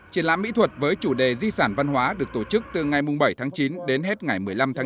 triển lãm mỹ thuật với chủ đề di sản văn hóa được tổ chức từ ngày bảy tháng chín đến hết ngày một mươi năm tháng chín